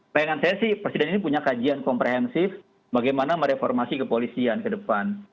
bayangan saya sih presiden ini punya kajian komprehensif bagaimana mereformasi kepolisian ke depan